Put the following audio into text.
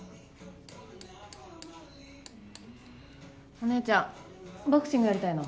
おねえちゃんボクシングやりたいの？